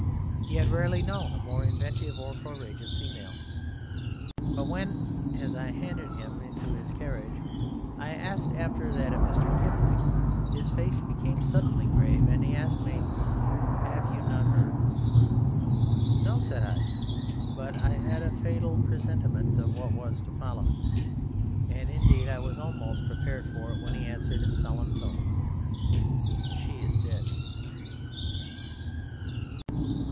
He had rarely known a more inventive or courageous female, but when, as I handed him into his carriage, I asked after that of Mr. Kipling, his face became suddenly grave; and he asked me, "Have you not heard?" "No," said I; but I had a fatal presentiment of what was to follow, and indeed I was almost prepared for it when he answered in solemn tones: "She is dead."